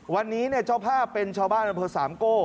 วันนี้เจ้าภาพเป็นชาวบ้านอำเภอสามโก้